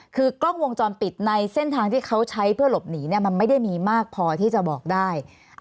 คือกล้องวงจรปิดในเส้นทางที่เขาใช้เพื่อหลบหนีมันไม่ได้มีมากพอที่จะบอกได้